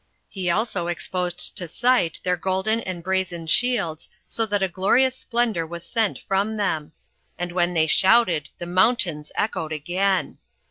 He also exposed to sight their golden and brazen shields, so that a glorious splendor was sent from them; and when they shouted the mountains echoed again.